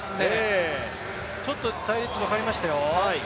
ちょっと隊列、分かれましたよ